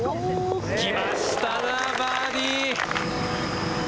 きました、バーディー。